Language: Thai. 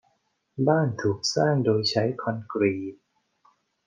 บ้านถูกสร้างโดยใช้คอนกรีต